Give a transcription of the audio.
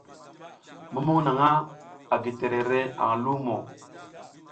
Mumuƞ naƞʼha a gi terere aƞ lumo.